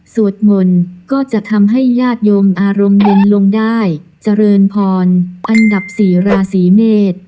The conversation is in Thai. สวดมนต์ก็จะทำให้ญาติโยมอารมณ์เย็นลงได้เจริญพรอันดับสี่ราศีเมษ